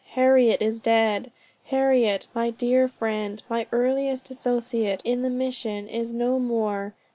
Harriet is dead. Harriet, my dear friend, my earliest associate in the mission, is no more.